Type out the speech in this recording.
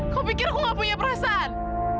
kau pikir aku nggak punya perasaan